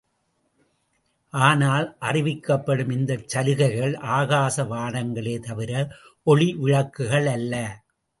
ஆனால் அறிவிக்கப்படும் இந்தச் சலுகைகள் ஆகாச வாணங்களே தவிர, ஒளி விளக்குகள் அல்ல.